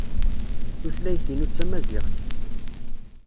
Tutlayt-inu d tamaziɣt.